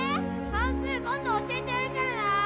算数今度教えてやるからな！